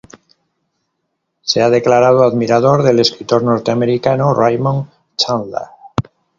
Se ha declarado admirador del escritor norteamericano Raymond Chandler.